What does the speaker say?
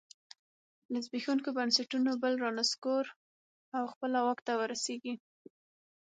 له زبېښونکو بنسټونو بل رانسکور او خپله واک ته ورسېږي